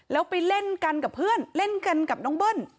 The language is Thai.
แล้วไปเล่นกันกับเพื่อนเล่นกันกับน้องเบิ้ล